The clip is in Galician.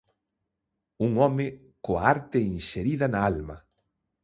Un home coa arte inserida na alma.